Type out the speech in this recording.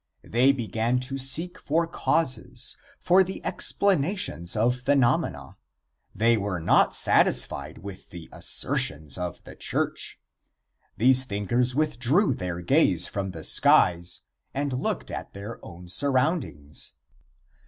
They began to seek for causes, for the explanations of phenomena. They were not satisfied with the assertions of the church. These thinkers withdrew their gaze from the skies and looked at their own surroundings.